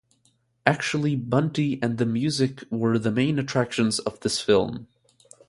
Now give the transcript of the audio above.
Actually Bunty and the music were the main attractions of this film.